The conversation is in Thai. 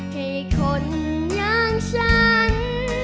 ให้คนอย่างฉัน